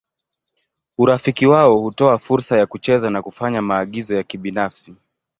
Urafiki wao hutoa fursa ya kucheza na kufanya maagizo ya kibinafsi.